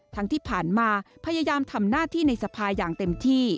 ที่ผ่านมาพยายามทำหน้าที่ในสภาอย่างเต็มที่